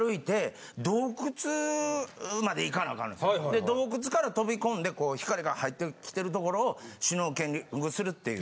で洞窟から飛び込んでこう光が入ってきてるところをシュノーケリングするっていう。